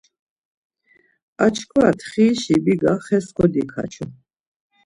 Açkva txirişi biga xes kodikaçu.